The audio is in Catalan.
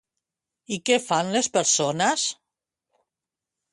I què fan les persones?